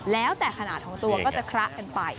แล้วแต่ขนาดของตัวก็จะคละกันไป